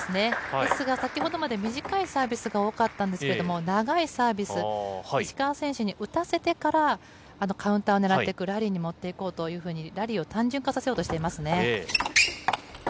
ですが、先ほどまで短いサービスが多かったんですけれども、長いサービス、石川選手に打たせてから、カウンターを狙っていく、ラリーに持っていこうというふうに、ラリーを単純化させようとしていますね。